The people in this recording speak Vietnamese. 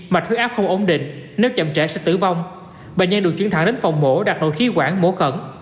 và khuyến áp không ổn định nếu chậm trễ sẽ tử vong bệnh nhân được chuyển thẳng đến phòng mổ đặt nội khí quản mổ khẩn